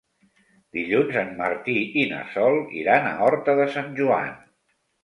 Dilluns en Martí i na Sol iran a Horta de Sant Joan.